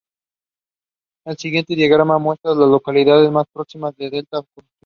El siguiente diagrama muestra a las localidades más próximas a Delta Junction.